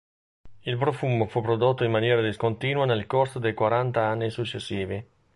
Il profumo fu prodotto in maniera discontinua nel corso dei quaranta anni successivi.